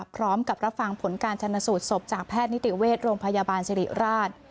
พร้อมกับรับฟังผลการชนสูตรศพจากแพทย์นิติเวชโรงพยาบาลสิริราช